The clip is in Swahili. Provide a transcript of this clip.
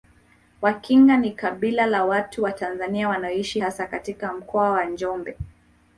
Wakinga ni kabila la watu wa Tanzania wanaoishi hasa katika Mkoa wa Njombe